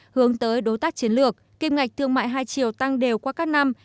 hướng tới đối tác chiến lược kim ngạch thương mại hai chiều tăng đều qua các năm